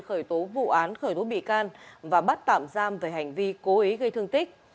khởi tố vụ án khởi tố bị can và bắt tạm giam về hành vi cố ý gây thương tích